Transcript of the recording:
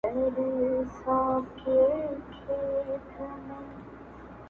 خو اختلاف لا هم شته ډېر,